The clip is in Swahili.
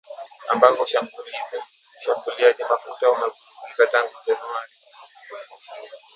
ambako usambazaji mafuta umevurugika tangu Januari,